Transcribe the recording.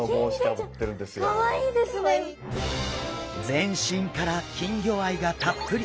全身から金魚愛がたっぷり！